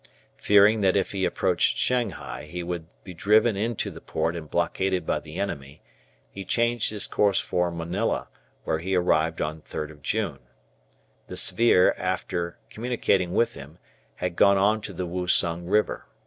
Fearing that if he approached Shanghai he would be driven into the port and blockaded by the enemy, he changed his course for Manila, where he arrived on 3 June. The "Svir," after communicating with him, had gone on to the Woosung River.